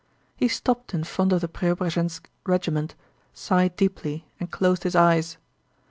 He stopped in front of the Preobrazhénsk regiment, sighed deeply, and closed his eyes.